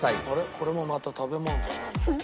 これもまた食べ物じゃない。